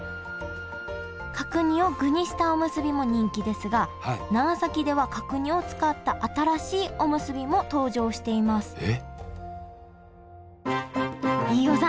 角煮を具にしたおむすびも人気ですが長崎では角煮を使った新しいおむすびも登場しています飯尾さん。